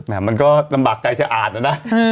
มันก็ลำบากใจจะอ่านแล้วนะ